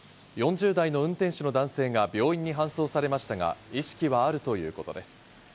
４０代の運転手の男性が病院に搬送されましたが、意識はあるということです。